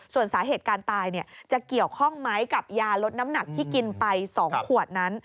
ส่วนสาเหตุการตายจะเกี่ยวข้องไหมกับยาลดน้ำหนักที่กินไป๒ขวดนั้น